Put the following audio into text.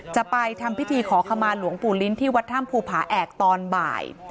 จะไปทำพิธีขอขมาหลวงปู่ลิ้นที่วัดถ้ำภูผาแอกตอนบ่าย